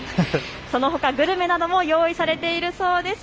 そのほかグルメなども用意されているそうです。